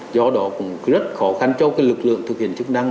do đó cũng rất khó khăn cho lực lượng thực hiện chức năng